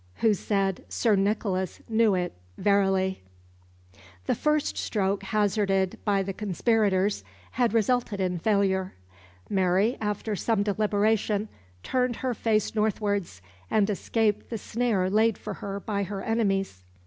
Who said, "Sir Nicholas knew it verilie." The first stroke hazarded by the conspirators had resulted in failure. Mary, after some deliberation, turned her face northwards, and escaped the snare laid for her by her enemies.